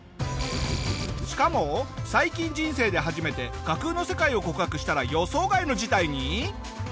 しかも最近人生で初めて架空の世界を告白したら予想外の事態に！？